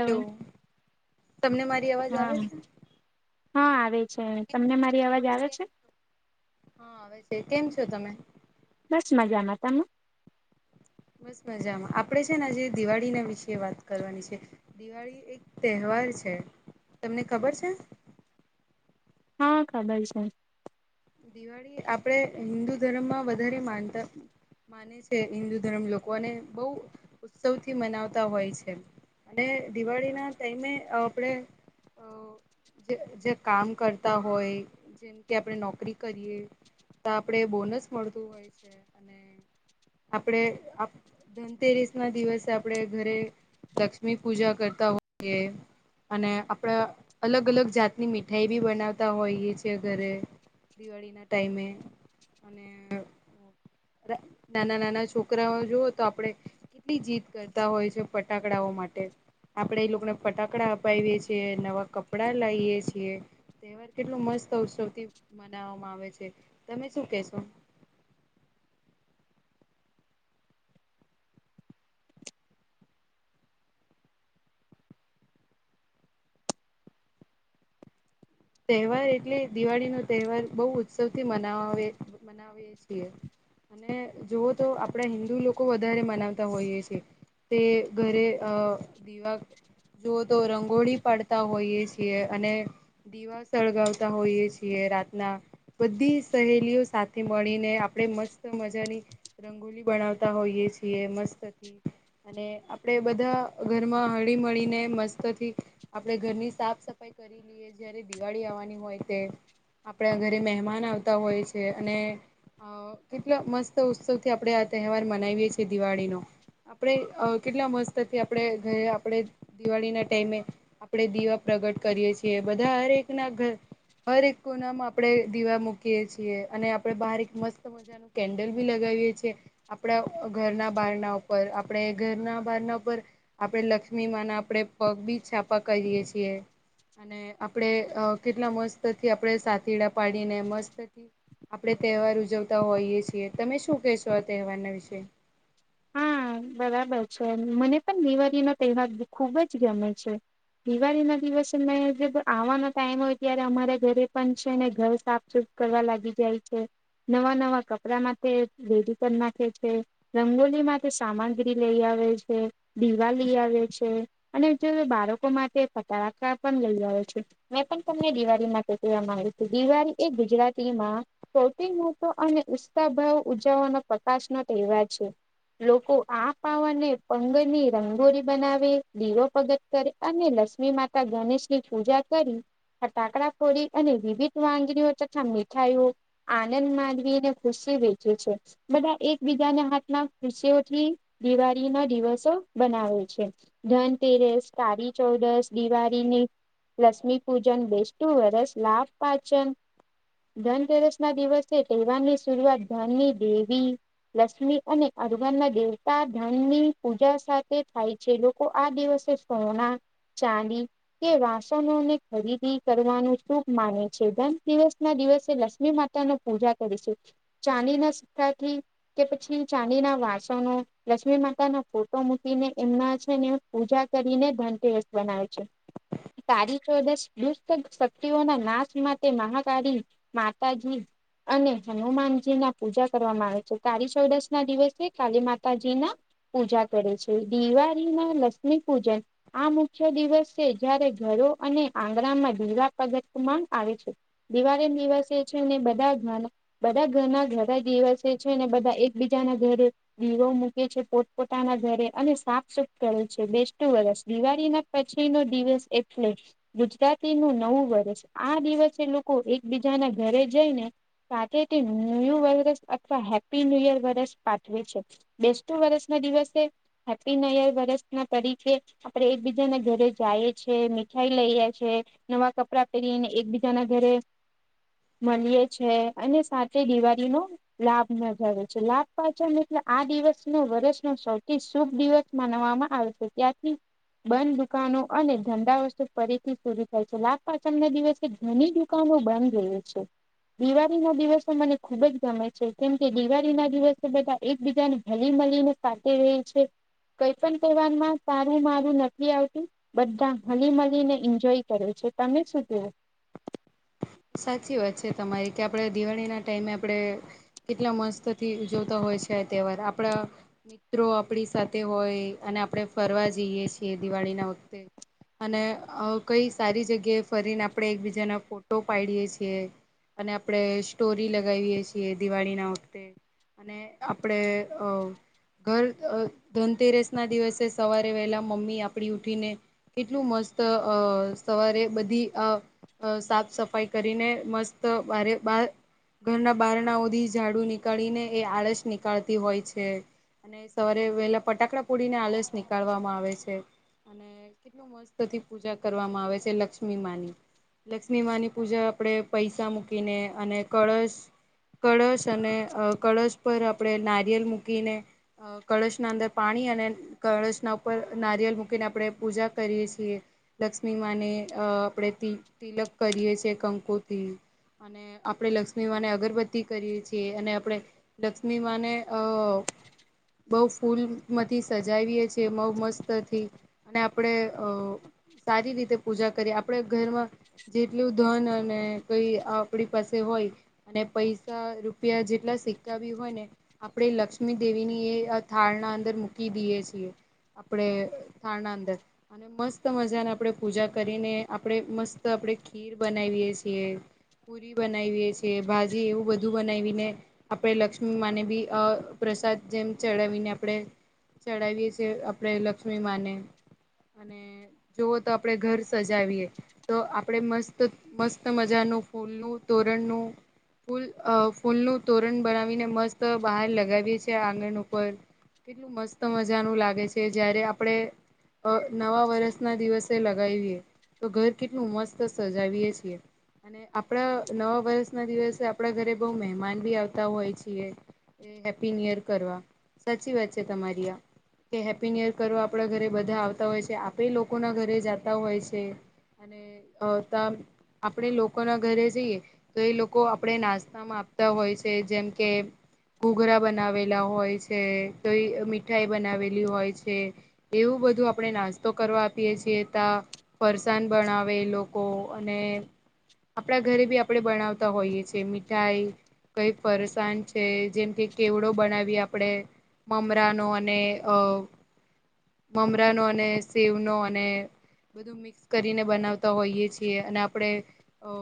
Hello તમને મારી અવાજ હા આવે છે? હા આવે છે તમને મારી અવાજ આવે છે? હા આવે કેમ છો તમે? બસ મજામાં તમે? [inaudible] બસ મજામાં આપડે છે ને આજે દિવાળી ના વિશે વાત કરવાની છે દિવાળી એક તહેવાર છે તમને ખબર છે? હા ખબર છે. દિવાળી આપણેે હિન્દુ ધર્મમાં વધારે માનતા. માને છે હિન્દુ ધર્મ લોકો અને બહુ ઉત્સવથી મનાવતા હોય છે. અને દિવાળી ના ટાઈમે આપણેે કામ કરતા હોય જેમ કે આપણે નોકરી નોકરી કરીએ તો આપણે બોનસ મળતું હોય છે અને આપડે ધનતેરસ ના દિવસે આપડે ઘરે લક્ષ્મી પૂજા કરતા હોઈએ. અને આપણે અલગ અલગ જાતની મીઠાઈ બી બનાવતા હોઈએ છેીએ ઘરે. દિવાળીના ટાઈમે અને નાના નાના છોકરાઓ જુઓ તો આપડે કેટલી જીદ કરતા હોય છે ફટાકડાઓ માટે આપડે એ લોકોને ફટાકડા અપાવીએ છીએ નવા કપડા લાઈએ છીએ. તહેવાર કેટલો મસ્ત ઉત્સવથી મનાવવામાં આવે છે તમે શું કેશો? તહેવાર એટલે દિવાળી નો તહેવાર બહુ ઉત્સવ થી મનાવીએ છીએ. અને જોઈએ તો આપડા હિન્દુ લોકો વધારે મનાવતા હોઈએ છે. તે ઘરે અ દીવા જો તો રંગોળી પાડતા હોઈએ છીએ અને દીવા સળગાવતા હોઈએ છીએ રાતના બધી સહેલીઓ સાથે મળીને આપણે મસ્ત મજાની રંગોલી બનાવતા હોઈએ છીએ મસ્તથી. અને આપડે બધા ઘરમાં હળી મળીને મસ્ત આપણે ઘરની સાફ સફાઈ કરી લઈએ જયારે દિવાળી આવવાની હોય તે. આપણા ઘરે મહેમાન આવતા હોય છે અને અ કેટલા મસ્ત ઉત્સવથી આપણે આ તહેવાર મનાવીએ છીએ દિવાળીનો આપણેે કેટલા મસ્તથી આપણેે ઘરે આપણેે દિવાળી ના ટાઈમે આપે દીવા પ્રગટ કરીએ છીએ બધા હરેક ના ઘરે હર એક કોના માં આપડે દીવા મૂકીયે છીએ અને આપડે બહાર એક મસ્ત મજા નું કેન્ડલ બી લગા વી એ છે આપડા ઘરના બારના ઉપર આપણે ઘરના બારના ઉપર આપણે લ ક્ષ્મી માં ના આપણે પગ બી છાપા કરીએ છીએ અને આપણેે અ કેટલા મસ્તથી સાંથીડા પાડીને મસ્તથી આપણે તહેવાર ઉજવતા હોઈએ છીએ તમે શું કહેશો આ તહેવારના વિશે [inaudible] હા બરાબર છે મને પણ દિવારી નો તહેવાર ખુબ જ ગમે છે. દિવાળી ના દિવસે મે આવાનો ટાઈમ હોય ત્યારે અમારા ઘરે પણ છે ઘર સાફ સૂફી કરવા લાગી જાય છે. નવા નવા કપડા માટે રેડિકન નાખે છે રંગોલી માટે સામગ્રી લઈ આવે છે દીવા લી આવે છે અને જો બાળકો માટે ફટડાકા પણ લઈ આવે છે મેં પણ તમને દિવાળી માટે કહેવા માંગુ છું દિવાળી એ ગુજરાતી માં સૌથી મોટો અને ઉત્સાભાવ ઉજવવાનો પ્રકાશનો તહેવાર છે. લોકો આ પાવને પંગ ની રંગોળી બનાવે દીવો પગટ કરે અને લ ક્ષ્મી માતા ગણેશની પૂજા કરી ફટાકડા ફોડી અને વિવિધ વાગણીઓ તથા મીઠાઈઓ આનંદ માનવીને ખુશી વેચે છે બધા એકબીજાને હાથમાં દૃશ્યોથી દિવાળી ના દિવસો બનાવે છે ધનતેરસ કાળી ચૌ દસ દિવાળીની લક્ષ્મી પૂજન બેસ્ટુ વરસ લાભ પાચમ ધનતેરસ ના દિવસે તહેવાર ની શરૂઆત ધનની દેવી લક્ષ્મી અને અરબર ના દેવતા ધનની પૂજા સાથે થાય છે લોકો આ દિવસે સોના ચાંદી કે વાસનોને ખરીદી કરવાનું શુભ માને છે ધન દિવસ ના દિવસે લક્ષ્મી માતા નું પૂજા કરીશું ચાંદીના સિક્કાથી કે પછી ચાંદી ના વાસનો લક્ષ્મી માતા ના ફોટો મૂકીને એમના છે ને પૂજા કરીને ધન તેરસ બનાવે છે. કાળી ચૌદશ દુષ્ટ શક્તિઓના નાશ માટે મહાકાળી માતાજી અને હનુમાનજી ના પૂજા કરવામાં આવે છે કારી ચૌદશ ના દિવસે કાલી માતાજી ના પૂજા કરે છે દિવાળી ના લક્ષ્મી પૂજન આ મુખ્ય દિવસ છે જ્યારે ઘરો અને આંગણામાં દીવા પગતવામાં આવે છે દિવારીના દિવસે છેને બધા બધા ઘરના ઘણા દિવસે છે ને બધા એક બીજાના ઘરે દીવો મૂકે છે પોતપોતાના ઘરે અને સાફ સુફ કરે છે બેસ્ટું વર્ષ દિવાળી ના પછી નો દિવસ એટલે ગુજરાતી નું નવું વર્ષ આ દિવસ એટલે લોકો એકબીજા ના ઘરે જઈને સાથે તે ન્યુ વર્ષ અથવા હેપી ન્યુ યર વરષ પાઠવે છે બેસ્ટુ વરસ ના દિવસે હેપ્પી ન યર વરષ ના તરીકે આપડે એકબીજા ના ઘરે જાએ છે મીઠાઈ લઈએ છે નવા કપડાં પેરીને એકબીજા ના ઘરે મલીએ છે અને સાથે દિવાળીનો લાભ [unintelligible] લાભ પાંચમ એટલે આ દિવસ નો વર્ષનો સૌથી શુભ દિવસ માનવામાં આવે છે ત્યાારથી બંધ દુકાનો અને ધંધા વસ્તુ ફરીથી શરૂ થાય છે લાભ પાચમ ના દિવસે ઘણી દુકાનો બંધ રહે છે દિવાળી ના દિવસો મને ખુબજ ગમે છે કેમ કે દિવાળી ના દિવસે બધા એકબીજા ને હલી મલીને સાથે રે છે કઈ પણ તહેવારમાં તારું મારું નથી આવતું બધા હલી મલીને એન્જોય કરે છે. તમે શું કેવો [inaudible] સાચી વાત છે તમારી કે આપડે દિવાળી ના ટાઈમે આપડે કેટલા મસ્ત થી ઉજવતા હોય છે તહેવાર આપણા મિત્રો આપણી સાથે હોય અને આપણે ફરવા જઈએ છીએ દિવાળી ના વખતે અને અ કઈ સારી જગ્યાએ ફરીને આપણે એકબીજાના ફો ટો પાડીએ છીએ અને આપડે સ્ટોરી લગાવીએ છીએ દિવાળી ના વખતે અને આપડે અ ઘર ધનતેરસ ના દિવસે સવારે વહેલા મમ્મી આપડી ઉઠીને કેટલું મસ્ત સવારે બધી સાત સફાઈ કરીને મસ્ત બ બાર ઘરના બારનાઓધી ઝાડુ નીકળીને એ આળસ નીકળતી હોય છે અને સવારે વેલા ફટાકડા પૂડી ને આલશ નીકળવામાં આવે છે અને કેટલું મસ્તથી પૂજા કરવામાં આવે છે લક્ષ્મી માની પિમાની પૂજા આપણે પૈસા મૂકીને અને કળશ કળશ અને કળશ ઉપ આપણે નારિયેલ મૂકીને કળશના અંદર પાણી અને કળશના ઉપર નારિય લ મૂકીને આપણે પૂજા કરીએ છીએ લક્ષ્મી માને આપણે તિલક કરીએ છ છેએ કંકોથી અને આપણે લક્ષ્મી માને અગરબત્તી કરીએ છીએ અને આપણે લક્ષ્મી માને અ બઉ ફૂલમાંથી સજાવીએ છે બહુ મસ્તથી અને આપણેે અ સારી રીતે પૂજા કરીએ આપણે ઘરમાં જેટલું ધન અને કઈ આપણી પાસે હોય અને પૈસા રૂપિયા જેટલા સીકાવી હોય ને આપણે લક્ષ્મી દેવી [unintelligible] થાળના અંદર મૂકી દઈએ છીએ આપણે થાળના અંદર અને મસ્ત મજાને આપણેે પૂજા કરીને આપણે મસ્ત [unintelligible] તો આપડણે ખીર બનાવીએ છીએ પુરી બનાવીએ છીએ ભાજી એવું બધું બનાવીને આપડે લક્ષ્મી માને બી પ્રસાદ જેમ ચડાવીને આપણે ચડાવીએ છીએ આપણેે લક્ષ્મીમાંને અને જોવો તો આપડે ઘર સજાવીએ તો આપણે મસ્ત મસ્ત મજાનું ફૂલનું તોરણનું ફૂલ અ ફૂલનું તોરણ બનાવીને મસ્ત બહાર લગાવીએ છીએ આંગણ ઉપર કેટલું મસ્ત મજાનું લાગે છે જયારે આપડે અ નવા વર્ષ ના દિવસે લગાવીએ તો ઘર કેટલું મસ્ત સજાવીએે છીએ અને આપણા નવા વર્ષ ના દિવસે આપણા ઘરે બહુ મહેમાન બી આવતા હોય છીએ હેપ્પી નીયર કરવા સાચી વાત છે તમારી આ કે હેપી નીયર કરવા આપડા ઘરે બધા આવતા હોય છે આપે લોકો ના ઘરે જાતા હોય છે અને આપણે લોકો ના ઘરે જઈએ તો એ લોકો આપણે નાસ્તા માં આપતા હોય છે જેમ કે ઘૂઘરા બનાવેલા હોય છે તોઈ મીઠાઈ બનાવેલી હોય છે એવું બ બધું આપણે નાસ્તો કરવા આપીએ છીએ ત ફરસાણ ભણાવે લોકો અને આપણા ઘરે બી આપણે બનાવતા હોઈએ છીએ મીઠાઈ કઈ ફરસાણ છે જેમ કે કેવડો બનાવીએ આપડે મમરાનો અને [unintelligible] મમરા નો અને સેવ નો અને બધું મિક્સ કરીને બનાવતા હોઈએ છીએ અને આપણે અ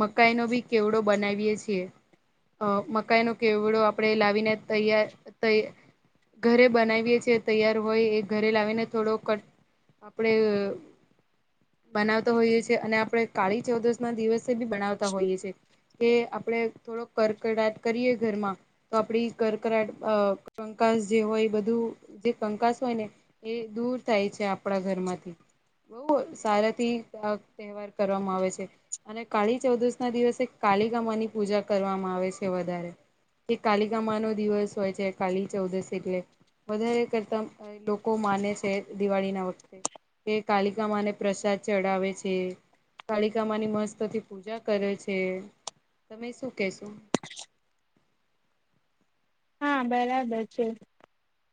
મકાઈ ની બી કેવડો બનાવીયએ છીએ અ મકાઈ ન કેવડો આપણે લાવીને તૈયાર [unintelligible] ઘરે બનાવીએ છેીએ તૈયાર હોય એ ઘરે લાવીને થોડો કટ આપણેે બનાવતા હોઈએ છેીએ અને આપણે કાળી ચૌદશ ના દિવસે બી બનાવતા હોઈએ છીએ કે આપડે થોડોક કરકડાટ કરીએ ઘરમાં તો આપડી કરકરાટ કં [unintelligible] જે હોય બધું જે કંકાસ હોય ને એ દૂર થાય છે આપણા ઘરમાંથી બહુ સારાથી આ તહેવાર કરવામાં આવે છે અને કાળી ચૌદશ ના દિવસે કાલી કાલિકામાં ની પૂજા કરવામાં આવે છે વધારે એ કાાલિકામા નો દિવસ હોય છે કાલી ચૌદશ એટલે વધારે કરતા લોકો માને છે દિવાળી ના વખતે એક કાલિકામાંને પ્રસાદ ચડાવે છે કાલીકામાની મસ્તથી પૂજા કરે છે. તમે શું કેશો? હા બરાબર છે,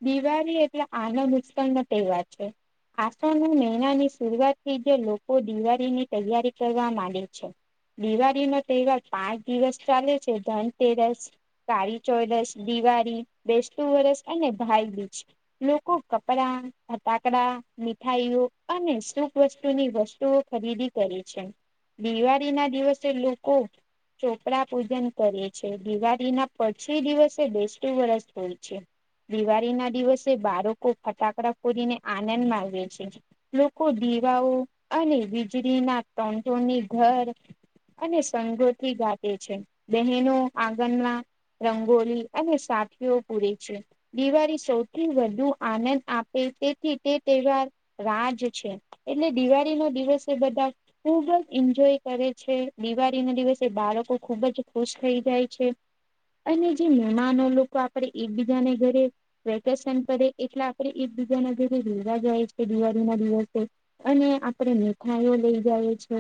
દિવાળી એટલે આનંદ ઉત્સવનો તહેવાર છે. આસો અને મહિનાની શરૂઆતથી જ લોકો દિવાળીની તૈયારી કરવા માંડે છે. દિવાળીનો તહેવાર પાંચ દિવસ ચાલે છે, ધનતેરસ, કાળી, ચોદસ દિવાળી, બેસતું વરસ અને ભાઈબીજ લોકો કપડા, ફટાકડા મીઠાઈઓ અને સુભ વસ્તુની વસ્તુઓ ખરીદી કરી છે. દિવાળીના દિવસે લોકો ચોપડા પૂજન કરે છે, દિવાળીના પછી દિવસ બેસતું વર્ષ હોય છે. દિવાળીના દિવસે બાળકો ફટાકડા ફોડીને આનંદ માને છે, લોકો દિ દીવાઓ અને વીજળીના ટંટોની ઘર અને સંગોથી ગાતે છે, બહેનો આંગણમાં રંગોલી અને સાથીઓ પૂરે છે, દિવાળી સૌથી વધુ આનંદ આપે તેથી તે તહેવાર રાજ છે, એટલે દિવાળીનો દિવસ એ બધા ખુબ જ એન્જોય કરે છે, દિવાળીના દિવસે બાળકો ખુબ જ ખુશ થઈ જાય છે, અને જે મેમાનો લોકો આપડે એકબીજાને ઘરે વેકેશન પડે એટલે આપડે એકબીજાના ઘરે રે વા જાય છે, દિવાળીના દિવસે અને આપણે મેઠાઈઓ લઈ જાય છે,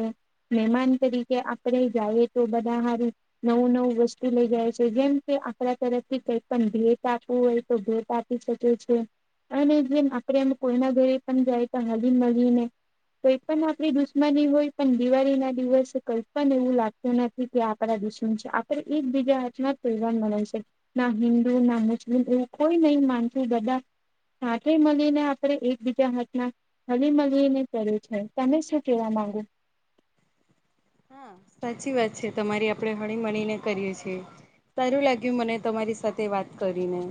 મેમા ન તરીકે આપડે જાએ તો બધા હારુ નવું નવું વસ્તુ લઈ જાય છે, જેમ કે આ આપડા તરફથી કઈ પણ ભેટ આપવું હોય તો ભેટ આપી શકે છે. અને જેમ આપણે એમ કોઈના ઘરે પણ જાઈએ તો હલી મલીને કોઈ પણ આપડી દુશ્મની હોય પણ દિવાળીના દિવસે કઈ પણ એવું લાગતું નથી કે આપડા દુશ્મન છે, આપણે એક બીજા હાથમાં [unintelligible] ના હિન્દુ ના મુસ્લિમ એવું કોઈ નહી માનતું બધા સાથે મલીને આપણે એકબીજા હાથમાં હલી મળલીને કર્યું છે તમે શું કેવા? માગો? હા સાચી વાત છે, તમારી આપણેે હણીમણીને કરીએ છીએ સારું લાગ્યું મને તમારી સાથે વાત કરીને